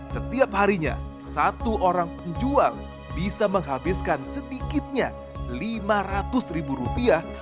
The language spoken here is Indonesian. setiap harinya satu orang penjual bisa menghabiskan sedikitnya lima ratus ribu rupiah